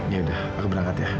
ya udah aku berangkat ya